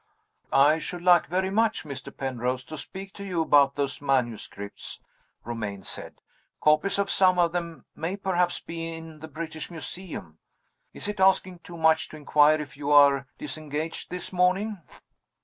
"I should like very much, Mr. Penrose, to speak to you about those manuscripts," Romayne said. "Copies of some of them may perhaps be in the British Museum. Is it asking too much to inquire if you are disengaged this morning?"